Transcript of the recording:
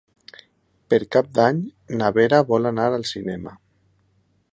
Per Cap d'Any na Vera vol anar al cinema.